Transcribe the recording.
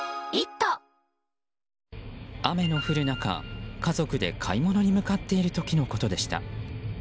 雨の降る中、家族で買い物に向かっている時のことでした。